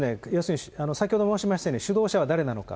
要するに先ほど申しましたように、主導者は誰なのか。